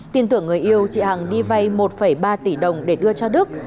tin tưởng người yêu chị hằng đi vay một ba tỷ đồng để đưa cho đức